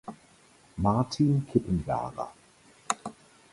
Martin Kippenberger.